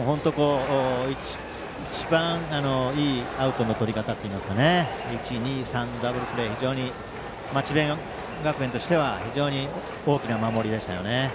一番いいアウトのとり方といいますかダブルプレーで智弁学園としては大きな守りでした。